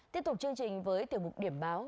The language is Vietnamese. tiếp tục chương trình với tiểu mục điểm báo